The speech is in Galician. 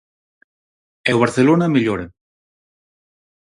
E o Barcelona mellora.